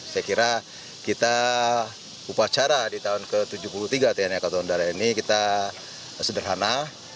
saya kira kita upacara di tahun ke tujuh puluh tiga tni angkatan udara ini kita sederhana